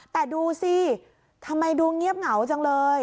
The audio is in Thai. แต่ดูสิทำไมดูเงียบเหงาจังเลย